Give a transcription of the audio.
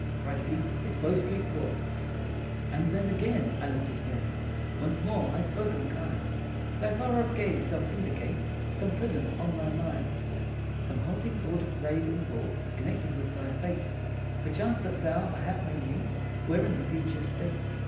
Cried he, "It's Bow Street Court!" And then again, I looked at him, Once more, I spoke him kind, "Thy far off gaze, doth indicate, Some presence, on thy mind, Some haunting thought, of grave import, Connected with the fate, Perchance, that thou, mayhap, may meet, When in the future state.